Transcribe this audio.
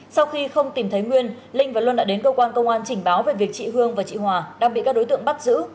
sau khi không tìm thấy nguyên linh và luân đã đến cơ quan công an trình báo về việc chị hương và chị hòa đang bị các đối tượng bắt giữ